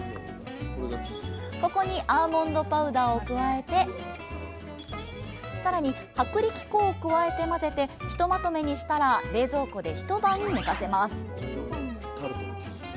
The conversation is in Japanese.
ここにアーモンドパウダーを加えてさらに薄力粉を加えて混ぜてひとまとめにしたら冷蔵庫で一晩寝かせます。